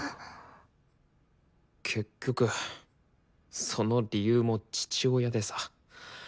結局その理由も父親でさ。